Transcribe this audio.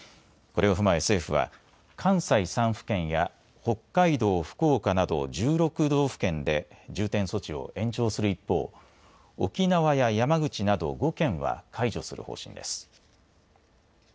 これを踏まえ政府は関西３府県や北海道、福岡など１６道府県で重点措置を延長する一方沖縄や山口など５県は解除する方針です。